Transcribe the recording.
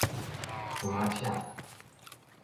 糖仔攕